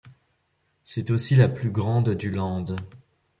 C'est aussi la plus grande du land.